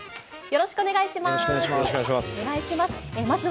よろしくお願いします。